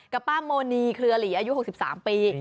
ป้าโมนีเครือหลีอายุ๖๓ปี